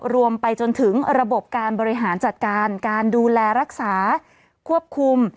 รวมไปจนถึงระบบการบริหารจัดการการดูแลรักษาควบคุม